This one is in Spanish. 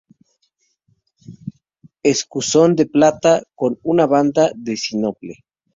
Escusón de plata, con una banda, de sinople.